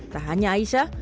tak hanya aisyah